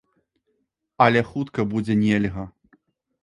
Але хутка будзе нельга.